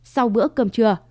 sau bữa cơm trưa